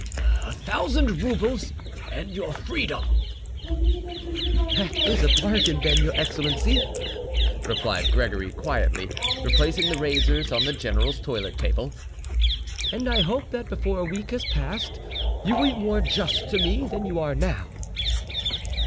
"A thousand roubles and your freedom." "That is a bargain, then, your excellency," replied Gregory quietly, replacing the razors on the general's toilet table, "and I hope that before a week has passed you will be more just to me than you are now."